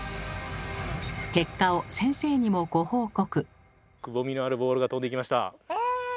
結果を先生にもご報告。